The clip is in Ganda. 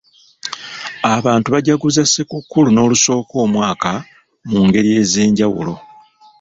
Abantu bagaguza ssekukkulu n'olusookoomwaka mu ngeri ez'enjawulo.